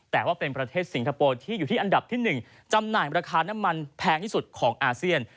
แต่ว่าเป็นประเทศสิงคโปร์ที่อยู่ที่อันดับที่๑จำหน่ายราคาน้ำมันแพงที่สุดของอาเซียน